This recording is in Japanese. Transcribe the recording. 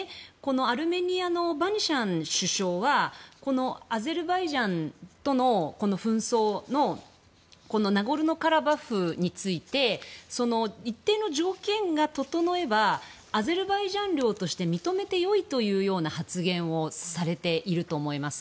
アルメニアのパシニャン首相はこのアゼルバイジャンとの紛争のナゴルノカラバフについて一定の条件が整えばアゼルバイジャン領として認めてよいという発言をされていると思います。